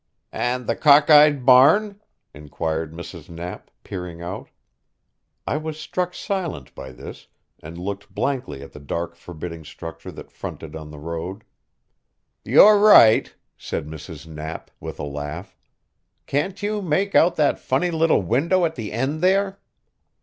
"And the cockeyed barn?" inquired Mrs. Knapp, peering out. I was struck silent by this, and looked blankly at the dark forbidding structure that fronted on the road. "You're right," said Mrs. Knapp with a laugh. "Can't you make out that funny little window at the end there?"